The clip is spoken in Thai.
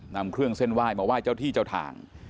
นำเครื่องเส้นไหว้มาไหว้เจ้าที่เจ้าทาง